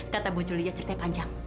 kata bu julia ceritanya panjang